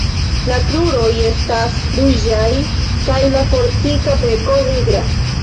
La kruroj estas ruĝaj kaj la fortika beko nigra.